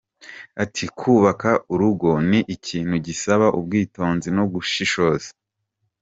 Ati “Kubaka urugo ni ikintu gisaba ubwitonzi no gushishoza.